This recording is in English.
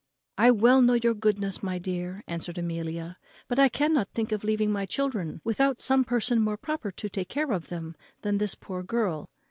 "I well know your goodness, my dear," answered Amelia, "but I cannot think of leaving my children without some person more proper to take care of them than this poor girl."